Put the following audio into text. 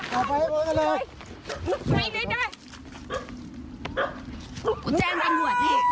ให้เถอะ